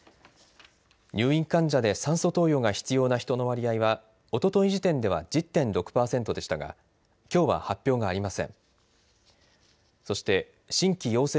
入院患者で酸素投与が必要な人の割合はおととい時点では１０．６％でしたがきょうは発表がありません。